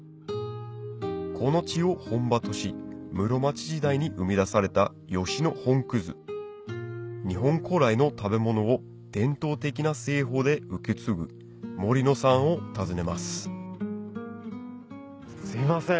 この地を本場とし室町時代に生み出された吉野本日本古来の食べ物を伝統的な製法で受け継ぐ森野さんを訪ねますすいません。